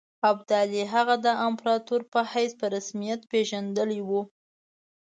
ابدالي هغه د امپراطور په حیث په رسمیت پېژندلی وو.